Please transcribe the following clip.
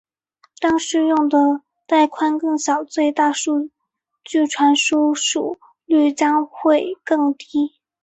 当适用的带宽更小时最大数据传输速率将会更低。